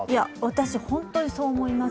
私、本当にそう思います。